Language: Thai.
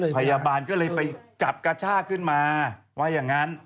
พยาบาลก็เลยไปจับกระชากขึ้นมาว่าอย่างนั้น